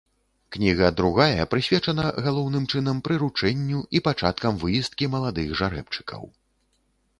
Кніга другая прысвечана галоўным чынам прыручэнню і пачаткам выездкі маладых жарэбчыкаў.